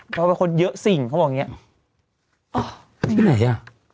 เขาเป็นคนเยอะสิ่งเขาบอกอย่างเงี้ยอ๋อที่ไหนอ่ะ